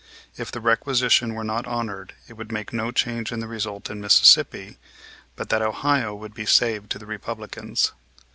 If the requisition were not honored it would make no change in the result in Mississippi, but that Ohio would be saved to the Republicans.